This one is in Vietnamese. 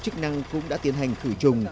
chức năng cũng đã tiến hành khử trùng